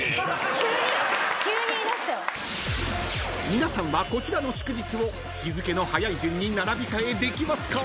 ［皆さんはこちらの祝日を日付の早い順に並び替えできますか？］